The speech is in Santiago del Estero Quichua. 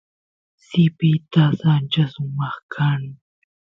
sipitas ancha sumaq kan